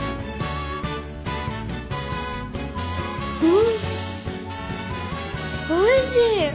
んおいしい！